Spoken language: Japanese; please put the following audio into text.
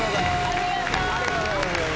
ありがとうございます。